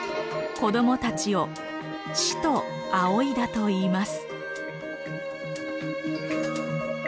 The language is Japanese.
子どもたちを師と仰いだといいます。